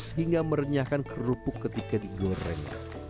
hingga merenyahkan kerupuk ketika digoreng